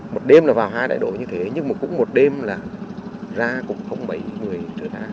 một đêm là vào hai đại đội như thế nhưng mà cũng một đêm là ra cũng không mấy người trở ra